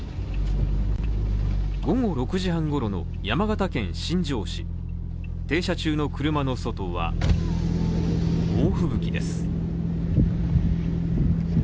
午後６時半頃の山形県新庄市停車中の車の外は猛吹雪です。